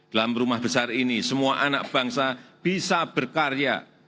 dalam rumah besar ini semua anak bangsa bisa berkarya berkarya dan berusaha untuk kembali membangun kembali